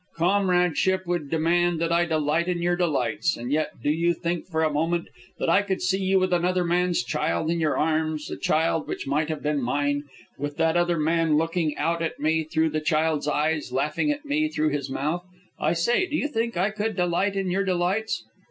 Comradeship would demand that I delight in your delights, and yet, do you think for a moment that I could see you with another man's child in your arms, a child which might have been mine; with that other man looking out at me through the child's eyes, laughing at me through its mouth? I say, do you think I could delight in your delights?